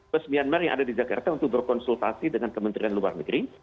bus myanmar yang ada di jakarta untuk berkonsultasi dengan kementerian luar negeri